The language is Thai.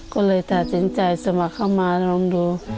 ก็เลยตัดสินใจสมัครเข้ามาลองดู